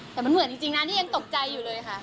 แต่มันเหมือนจริงนะที่ยังตกใจอยู่เลยค่ะ